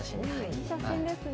いい写真ですね。